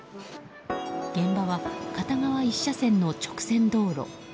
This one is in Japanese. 現場は片側１車線の直線道路。